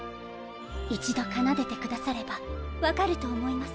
一度奏でてくださればわかると思います。